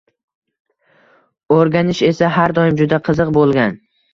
O’rganish esa har doim juda qiziq bo’lgan